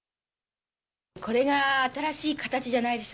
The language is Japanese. これが新しい形じゃないでし